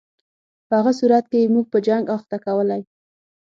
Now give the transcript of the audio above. په هغه صورت کې یې موږ په جنګ اخته کولای.